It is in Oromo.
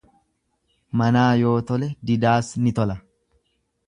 Manaa yoo tole didaas ni tola.